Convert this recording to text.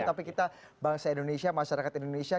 tapi kita bangsa indonesia masyarakat indonesia